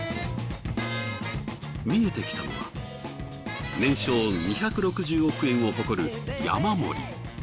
見えてきたのは年商２６０億円を誇るヤマモリ。